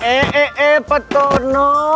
eh eh eh pak tono